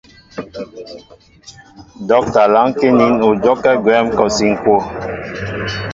Dɔ́kita lánkí nín ú dyɔ́kɛ́ gwɛ̌m kɔsi ŋ̀kwoo.